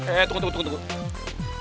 eh tunggu tunggu tunggu